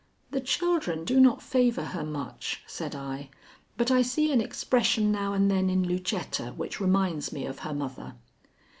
"The children do not favor her much," said I, "but I see an expression now and then in Lucetta which reminds me of her mother."